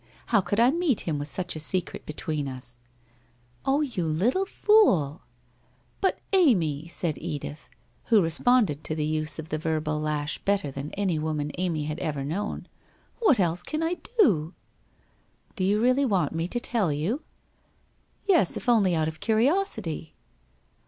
How could I meet him with such a secret between us ?'' Oh, you little fool !»' But, Amy,' said Edith, who responded to the use of the verbal lash better than any woman Amy had ever known, ' what else can I do ?'' Do you really want mo to tell you? '' Yes, if only out of curiosity.'